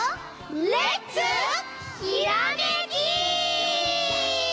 レッツひらめき！